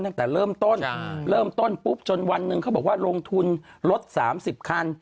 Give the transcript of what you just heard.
ตั้งแต่เริ่มต้นเริ่มต้นปุ๊บจนวันหนึ่งเขาบอกว่าลงทุนลด๓๐คัน